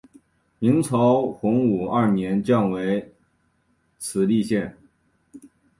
明朝洪武二年降为慈利县。